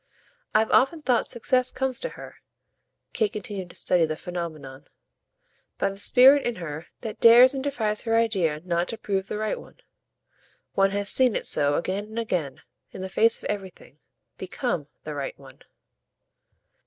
I've often thought success comes to her" Kate continued to study the phenomenon "by the spirit in her that dares and defies her idea not to prove the right one. One has seen it so again and again, in the face of everything, BECOME the right one."